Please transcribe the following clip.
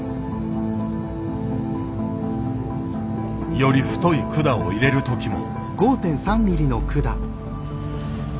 より太い管を入れるときも。